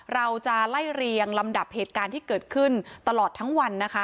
เราจะไล่เรียงลำดับเหตุการณ์ที่เกิดขึ้นตลอดทั้งวันนะคะ